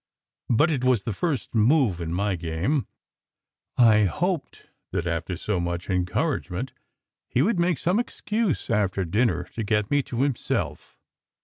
But it was the first move in my game. I hoped that after so much encouragement, he would make some excuse after dinner to get me to himself.